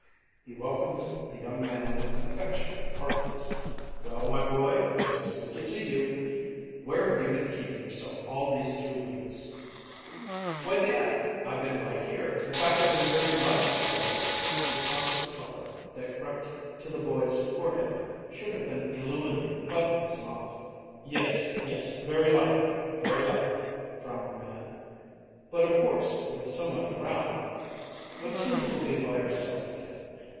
He welcomed the young man with affectionate heartiness. "Well, my boy, it's good to see you! Where have you been keeping yourself all these two weeks?" "Why, dad, I've been right here in fact, I've been very much right here!" The conscious color that crept to the boy's forehead should have been illuminating. But it was not. "Yes, yes, very likely, very likely," frowned the man. "But, of course, with so many around But soon we'll be by ourselves again.